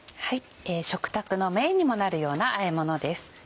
食卓のメインにもなるようなあえものです。